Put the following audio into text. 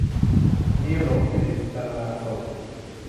เมียหลวง - กฤษณา อโศกสิน